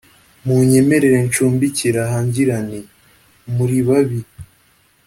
munyemerere ncumbikire aha ngira nti:muri babi